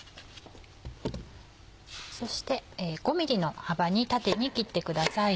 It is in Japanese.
そして５ミリの幅に縦に切ってください。